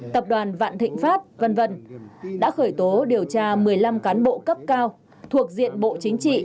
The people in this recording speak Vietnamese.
tập đoàn vạn thịnh pháp v v đã khởi tố điều tra một mươi năm cán bộ cấp cao thuộc diện bộ chính trị